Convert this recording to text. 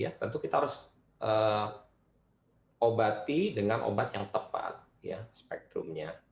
jadi ini tentu kita harus obati dengan obat yang tepat spektrumnya